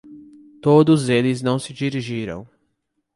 Todos eles não se dirigiram.